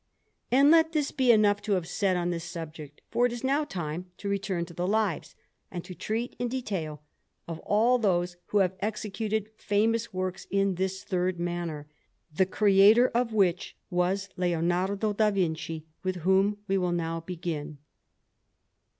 And let this be enough to have said on this subject; for it is now time to return to the Lives, and to treat in detail of all those who have executed famous works in this third manner, the creator of which was Leonardo da Vinci, with whom we will now begin.